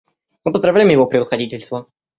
Мы поздравляем Его Превосходительство.